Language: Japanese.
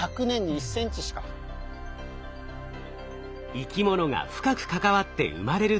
生き物が深く関わって生まれる土。